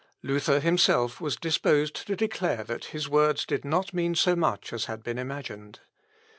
Luther himself was disposed to declare that his words did not mean so much as had been imagined.